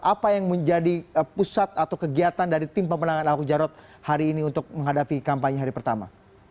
apa yang menjadi pusat atau kegiatan dari tim pemenangan ahok jarot hari ini untuk menghadapi kampanye hari pertama